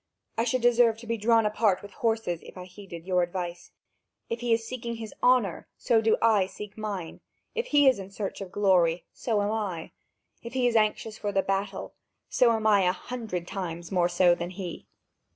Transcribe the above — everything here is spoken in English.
I should deserve to be drawn apart with horses, if I heeded your advice. If he is seeking his honour, so do I seek mine; if he is in search of glory, so am I; if he is anxious for the battle, so am I a hundred times more so than he."